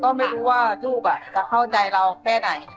ก็ไม่รู้ว่าลูกจะเข้าใจเราแค่ไหน